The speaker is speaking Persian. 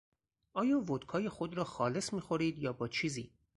آیا ودکای خود را خالص میخورید یا با چیزی؟